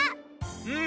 うん。